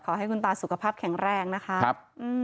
ขอให้คุณตาสุขภาพแข็งแรงนะคะ